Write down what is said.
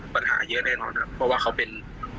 ปัญหาเยอะแน่นอนครับเพราะว่าเขาเป็น